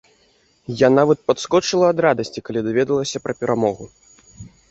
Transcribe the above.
Я нават падскочыла ад радасці, калі даведалася пра перамогу!